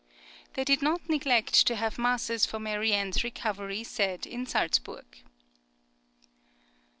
They did not neglect to have masses for Marianne's recovery said in Salzburg.